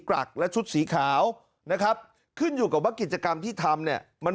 รักและชุดสีขาวนะครับขึ้นอยู่กับว่ากิจกรรมที่ทำเนี่ยมัน